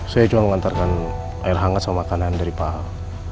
saya cuma mengantarkan air hangat sama makanan dari paal